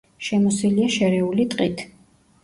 შემოსილია შერეული ტყით.